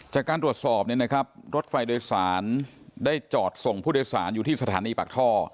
จากการตรวจสอบเนี่ยนะครับรถไฟโดยสารได้จอดส่งผู้โดยสารอยู่ที่สถานีปากท่อ